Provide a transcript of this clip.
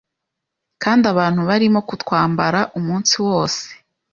kandi abantu barimo kutwambara umunsi wose”